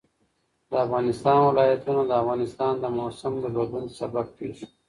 د افغانستان ولايتونه د افغانستان د موسم د بدلون سبب کېږي.